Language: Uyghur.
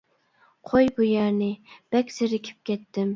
-قوي بۇ يەرنى، بەك زېرىكىپ كەتتىم.